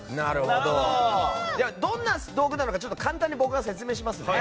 どんな道具なのか簡単に僕が説明します。